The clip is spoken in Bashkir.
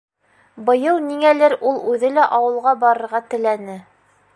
Быйыл ниңәлер ул үҙе лә ауылға барырға теләне.